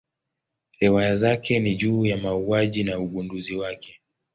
Riwaya zake ni juu ya mauaji na ugunduzi wake.